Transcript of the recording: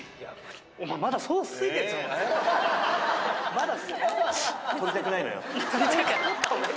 まだ。